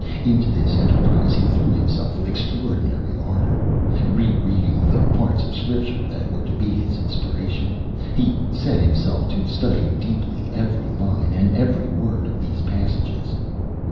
Into this enterprise he threw himself with extraordinary ardour. Re reading the parts of Scripture that were to be his inspiration, he set himself to study deeply every line and every word of these passages.